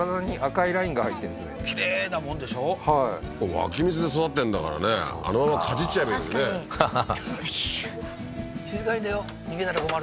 湧き水で育ってんだからねあのままかじっちゃえばいいのにねははは